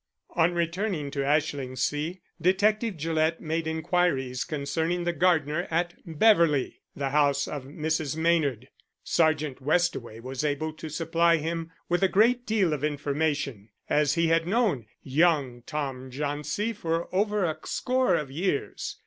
On returning to Ashlingsea, Detective Gillett made inquiries concerning the gardener at "Beverley," the house of Mrs. Maynard. Sergeant Westaway was able to supply him with a great deal of information, as he had known young Tom Jauncey for over a score of years.